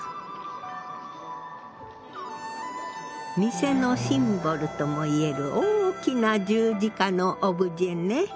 店のシンボルともいえる大きな十字架のオブジェね。